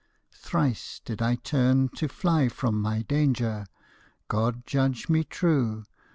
Thrice did I turn to fly from my danger, God judge me true.